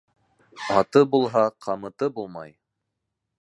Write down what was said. Аты булһа, ҡамыты булмай.